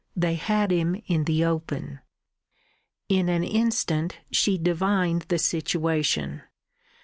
They had him in the open. In an instant she divined the situation.